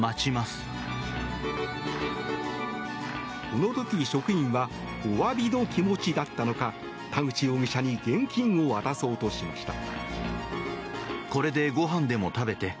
この時、職員はお詫びの気持ちだったのか田口容疑者に現金を渡そうとしました。